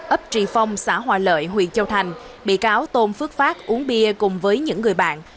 ấp trì phong xã hòa lợi huyện châu thành bị cáo tôn phước phát uống bia cùng với những người bạn